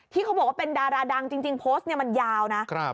เขาบอกว่าเป็นดาราดังจริงโพสต์เนี่ยมันยาวนะ